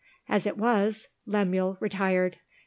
As it was, Lemuel retired.